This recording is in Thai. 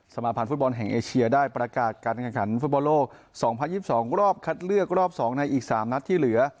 มาพันธ์ฟุตบอลแห่งเอเชียได้ประกาศการแข่งขันฟุตบอลโลก๒๐๒๒รอบคัดเลือกรอบ๒ในอีก๓นัดที่เหลือ